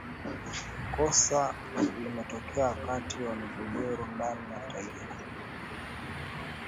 kosa limetokea wakati wa migogoro ndani ya taifa